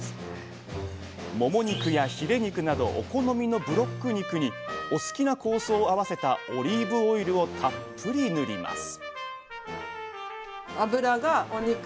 もも肉やヒレ肉などお好みのブロック肉にお好きな香草を合わせたオリーブオイルをたっぷり塗りますあ